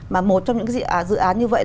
mà một trong những cái dự án như vậy